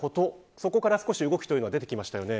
そこから少し動きが出てきましたね。